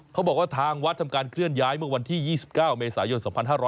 เขาบอกว่าทางวัดทำการเคลื่อนย้ายเมื่อวันที่๒๙เมษายน๒๕๖๐